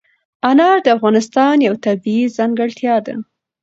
انار د افغانستان یوه طبیعي ځانګړتیا ده.